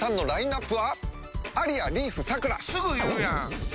すぐ言うやん！